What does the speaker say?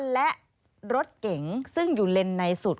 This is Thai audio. และรถเก๋งซึ่งอยู่เลนในสุด